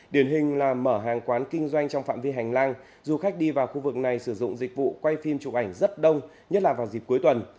điển hình là mở hàng quán kinh doanh trong phạm vi hành lang du khách đi vào khu vực này sử dụng dịch vụ quay phim chụp ảnh rất đông nhất là vào dịp cuối tuần